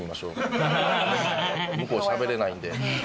向こうしゃべれないんで。